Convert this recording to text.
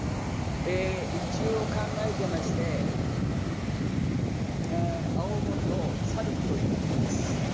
一応考えていまして、青森を去るということです。